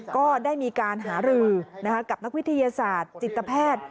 ก็ได้มีการหารือกับนักวิทยาศาสตร์จิตแพทย์